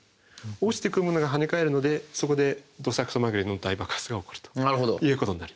落ちてくる物が跳ね返るのでそこでどさくさ紛れの大爆発が起こるということになる。